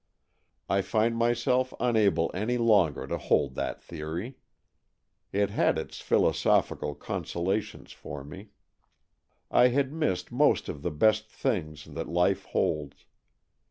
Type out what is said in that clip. I find myself un able any longer to hold that theory. It had its philosophical consolations for me. I had missed most of the best things that life holds.